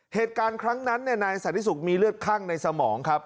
เหตุการณ์ครั้งนั้นนายสันติสุขมีเลือดคั่งในสมองครับ